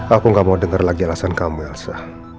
aku gak mau dengar lagi alasan kamu elsa